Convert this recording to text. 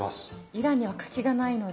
イランにはかきがないので。